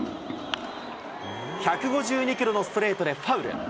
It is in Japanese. １５２キロのストレートでファウル。